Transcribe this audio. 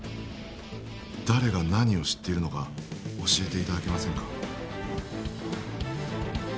誰が何を知っているのか教えていただけませんか？